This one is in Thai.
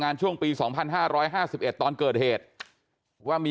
กลับไปลองกลับ